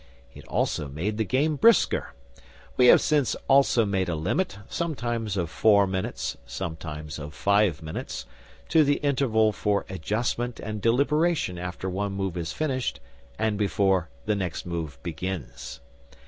It also made the game brisker. We have since also made a limit, sometimes of four minutes, sometimes of five minutes, to the interval for adjustment and deliberation after one move is finished and before the next move begins.